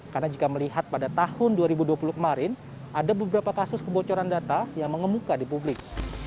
karena jika melihat pada tahun dua ribu dua puluh kemarin ada beberapa kasus kebocoran data yang mengemuka di publik